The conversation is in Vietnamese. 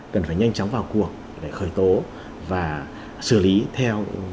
cần phải nhanh chóng vào cuộc để khởi tố và xử lý theo